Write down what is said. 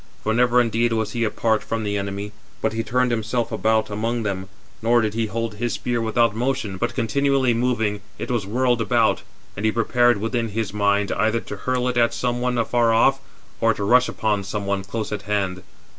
For never indeed was he apart from the enemy, but he turned himself about among them: nor did he hold his spear without motion, but continually moving, it was whirled about; and he prepared within his mind, either to hurl it at some one afar off, or to rush upon some one close at hand.